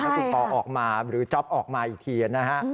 ถ้าคุณปอออกมาหรือจ๊อปออกมาอีกทีนะฮะ